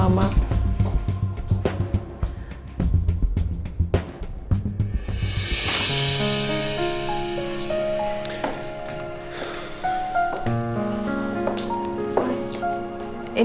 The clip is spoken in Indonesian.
aku mau tidur